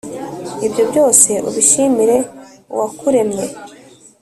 ibyo byose, ubishimire Uwakuremye,